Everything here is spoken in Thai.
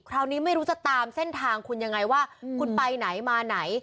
คราวนี้ไม่รู้จะตามเส้นทางคุณยังไงว่าคุณไปไหนมาไหน